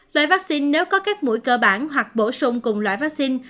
loại vaccine nếu có các mũi cơ bản hoặc bổ sung cùng loại vaccine